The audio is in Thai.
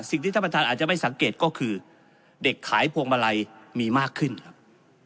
สิ่งที่ท่านประธานอาจจะไม่สังเกตก็คือเด็กขายพวงมาลัยมีมากขึ้นครับ